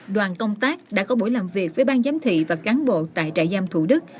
đoàn công tác đã có buổi làm việc với ban giám thị và cán bộ tại trại giam thủ đức